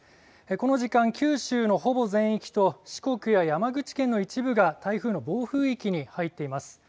この時間、九州のほぼ全域と四国や山口県の一部が台風の暴風域に入ってます。